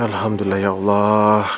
alhamdulillah ya allah